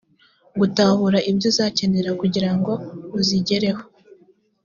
gutahura ibyo uzakenera kugirango uzigereho